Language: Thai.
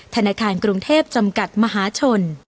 ธนาคารกรุงเทพจำกัดมหาชน